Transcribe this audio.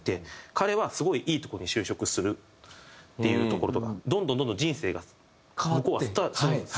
彼はすごいいいとこに就職するっていうところとかどんどんどんどん人生が向こうは進んでいくんですよね。